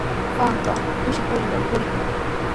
Juanqa tushukurllami purikun.